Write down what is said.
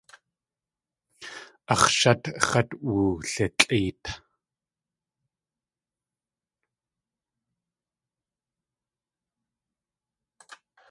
Ax̲ shát x̲at wulitlʼeet.